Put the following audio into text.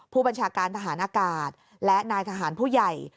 ผู้บัญชาการทหารอากาศและนายทหารผู้ใหญ่